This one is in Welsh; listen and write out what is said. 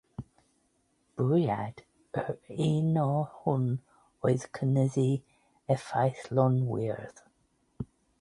Bwriad yr uno hwn oedd cynyddu effeithlonrwydd.